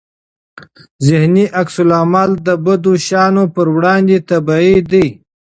ذهني عکس العمل د بدو شیانو پر وړاندې طبيعي دی.